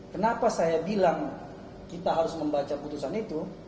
kenapa saya bilang kita harus membaca putusan itu